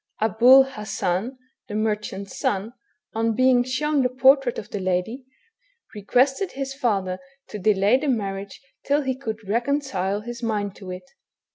Abul Hassan, the merchant's son, on being shown the por trait of the lady, requested his father to delay the marriage till he could reconcile his mind to it.